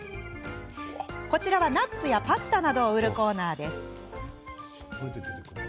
こちらは、ナッツやパスタなどを売るコーナーです。